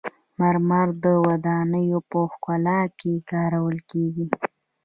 مرمر د ودانیو په ښکلا کې کارول کیږي.